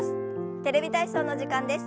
「テレビ体操」の時間です。